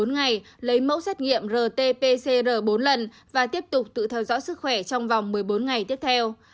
người chưa tiêm đủ hai mũi vaccine phải cách ly tại nhà một mươi năm ngày lấy mẫu xét nghiệm rt pcr bốn lần và tiếp tục tự theo dõi sức khỏe trong vòng một mươi bốn ngày tiếp theo